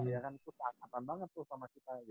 ya kan itu keangkatan banget tuh sama kita gitu